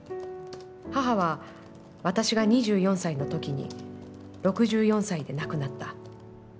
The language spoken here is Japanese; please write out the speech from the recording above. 母は、私が二十四歳の時に六十四歳で亡くなった。